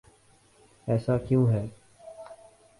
ایسا کیوں ہے؟